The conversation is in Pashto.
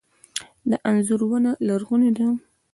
د انځر ونه لرغونې ده